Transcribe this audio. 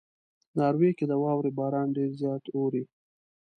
ناروې کې د واورې باران ډېر زیات اوري.